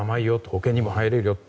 保険にも入れるよと。